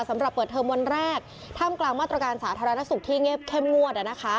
สำหรับเปิดเทอมวันแรกท่ามกลางมาตรการสาธารณสุขที่เงียบเข้มงวด